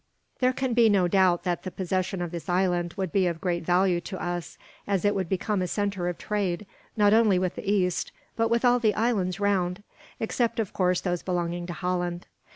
"There can be no doubt that the possession of this island would be of great value to us, as it would become a centre of trade, not only with the East, but with all the islands round; except, of course, those belonging to Holland.